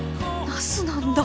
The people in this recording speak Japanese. なすなんだ！